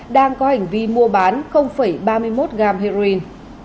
đang có hành vi mua bán ba mươi một gram heroin